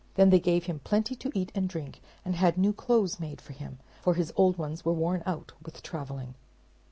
Then they gave him plenty to eat and drink, and had new clothes made for him, for his old ones were worn out with traveling.